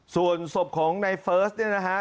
ส่วนศพของในเฟิร์สเนี่ยนะฮะ